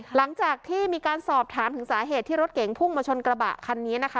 หลังจากที่มีการสอบถามถึงสาเหตุที่รถเก๋งพุ่งมาชนกระบะคันนี้นะคะ